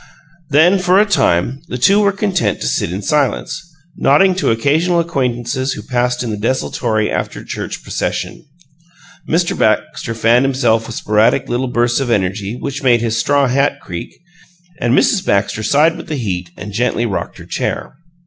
Then, for a time, the two were content to sit in silence, nodding to occasional acquaintances who passed in the desultory after church procession. Mr. Baxter fanned himself with sporadic little bursts of energy which made his straw hat creak, and Mrs. Baxter sighed with the heat, and gently rocked her chair.